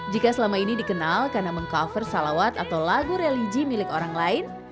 jika selama ini dikenal karena meng cover salawat atau lagu religi milik orang lain